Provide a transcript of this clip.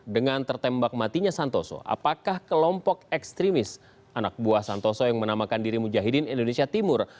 dengan tertembak matinya santoso apakah kelompok ekstremis anak buah santoso yang menamakan diri mujahidin indonesia timur